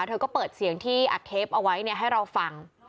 เธอก็เปิดเสียงที่อัดเทปเอาไว้ให้เราฟัง